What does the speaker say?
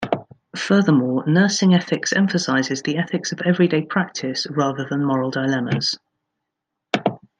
Furthermore, nursing ethics emphasizes the ethics of everyday practice rather than moral dilemmas.